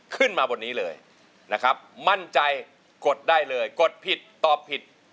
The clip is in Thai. ขึ้นมาบนนี้เลยนะครับมั่นใจกดได้เลยกดผิดตอบผิด